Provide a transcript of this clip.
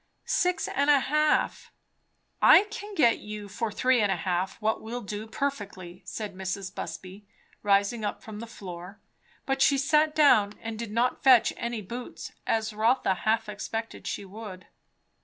"Six and a half." "I can get you for three and a half what will do perfectly," said Mrs. Busby, rising up from the floor. But she sat down, and did not fetch any boots, as Rotha half expected she would.